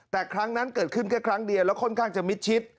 แต่ครั้งนั้นเกิดขึ้นแค่ครั้งเดียวแล้วค่อนข้างจะมิดชิด